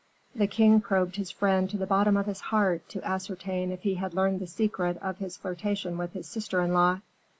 The king probed his friend to the bottom of his heart to ascertain if he had learned the secret of his flirtation with his sister in law.